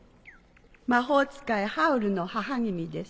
魔法使いハウルの母君です。